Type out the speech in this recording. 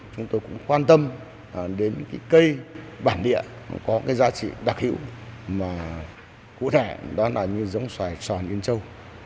chúng tôi cũng quan tâm đến cái cây bản địa có cái giá trị đặc hữu mà cụ thể đó là như giống xoài tròn yên châu